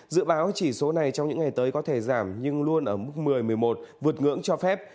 dự báo chỉ số này trong những ngày tới có thể giảm nhưng luôn ở mức một mươi một mươi một vượt ngưỡng cho phép